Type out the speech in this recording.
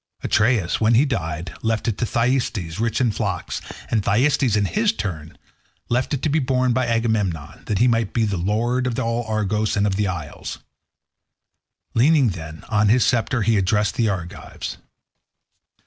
Atreus, when he died, left it to Thyestes, rich in flocks, and Thyestes in his turn left it to be borne by Agamemnon, that he might be lord of all Argos and of the isles. Leaning, then, on his sceptre, he addressed the Argives.